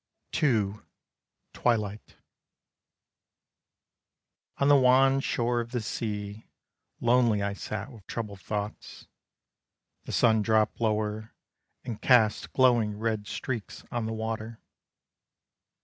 II. TWILIGHT. On the wan shore of the sea Lonely I sat with troubled thoughts. The sun dropped lower, and cast Glowing red streaks on the water.